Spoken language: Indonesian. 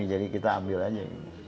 jadi kita ambil saja